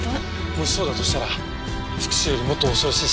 もしそうだとしたら復讐よりもっと恐ろしい真実があるかもしれない。